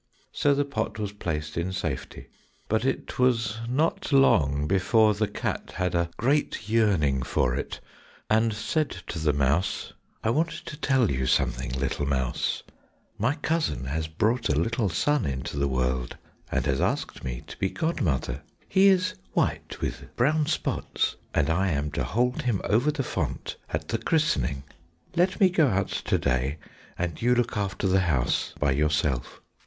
So the pot was placed in safety, but it was not long before the cat had a great yearning for it, and said to the mouse, "I want to tell you something, little mouse; my cousin has brought a little son into the world, and has asked me to be godmother; he is white with brown spots, and I am to hold him over the font at the christening. Let me go out to day, and you look after the house by yourself."